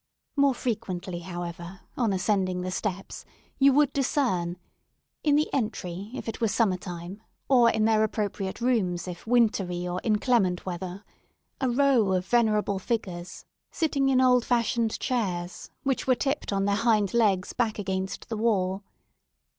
More frequently, however, on ascending the steps, you would discern— in the entry if it were summer time, or in their appropriate rooms if wintry or inclement weathers—a row of venerable figures, sitting in old fashioned chairs, which were tipped on their hind legs back against the wall.